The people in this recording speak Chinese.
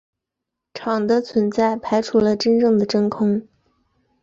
场的存在排除了真正的真空。